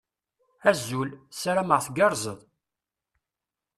Azul. Sarameɣ tgerrzeḍ.